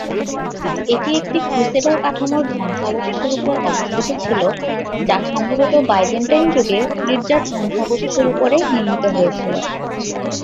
এটি একটি ক্রুসেডার কাঠামোর ধ্বংসাবশেষের উপর অবস্থিত ছিল, যা সম্ভবত বাইজেন্টাইন যুগের গির্জার ধ্বংসাবশেষের উপরে নির্মিত হয়েছিল।